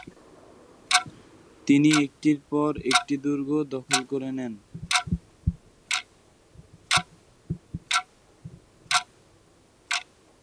তিনি একটির পর একটি দুর্গ দখল করে নেন।